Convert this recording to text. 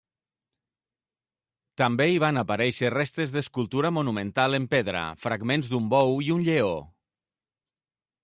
També hi van aparèixer restes d'escultura monumental en pedra: fragments d'un bou i un lleó.